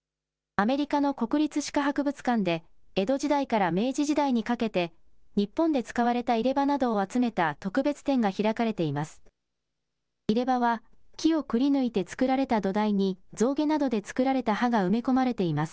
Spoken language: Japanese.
アメリカの国立歯科博物館で江戸時代から明治時代にかけて日本で使われた入れ歯などを集めた特別展が開かれています。